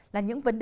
là những vấn đề